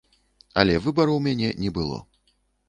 Але выбару ў мяне не было.